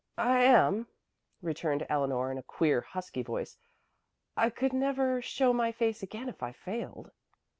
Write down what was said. "I am," returned Eleanor in a queer, husky voice. "I could never show my face again if I failed."